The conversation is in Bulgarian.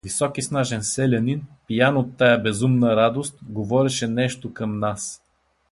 Висок и снажен селянин, пиян от тая безумна радост, говореше нещо към нас.